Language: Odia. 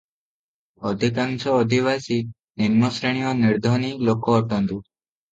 ଅଧିକାଂଶ ଅଧିବାସୀ ନିମ୍ନଶ୍ରେଣୀୟ ନିର୍ଦ୍ଧନୀ ଲୋକ ଅଟନ୍ତି |